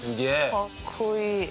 かっこいい。